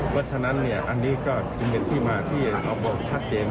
เพราะฉะนั้นอันนี้ก็จึงเป็นที่มาที่เราบอกชัดเจน